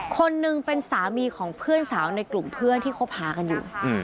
คนหนึ่งเป็นสามีของเพื่อนสาวในกลุ่มเพื่อนที่คบหากันอยู่